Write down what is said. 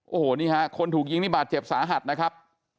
โอ้โหนี่ฮะคนถูกยิงนี่บาดเจ็บสาหัสนะครับ